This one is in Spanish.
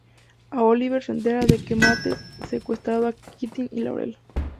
A Oliver se entera de que Mathis secuestrado a Quentin y Laurel.